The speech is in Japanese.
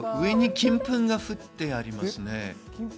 上に金粉が振ってありますね。